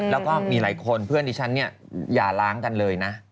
แล้วก็มีหลายคนเพื่อนที่ฉันเนี่ยอย่าล้างกันเลยนะ